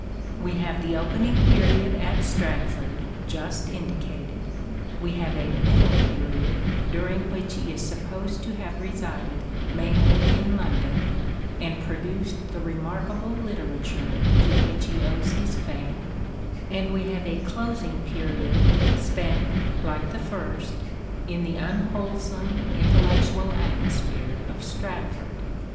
We have the opening period at Stratford just indicated ; we have a middle period during which he is supposed to have resided mainly in London and produced the remarkable literature to which he owes his fame ; and we have a closing period spent, like the first, in the unwholesome intellectual atmosphere of Stratford.